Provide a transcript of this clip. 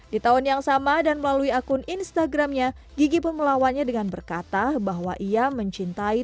di tahun yang sama dan melalui akun instagramnya gigi pun melawannya dengan berkata bahwa ia mencintai